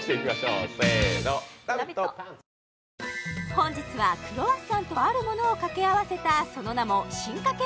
本日はクロワッサンとあるものを掛け合わせたその名も進化系